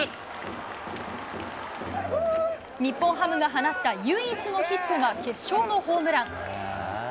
日本ハムが放った唯一のヒットが決勝のホームラン。